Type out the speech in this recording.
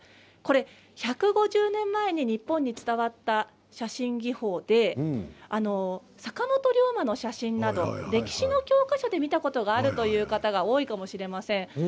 １５０年前に日本に伝わった写真技法で坂本龍馬の写真など歴史の教科書で見たことがあるという方は多いかもしれません。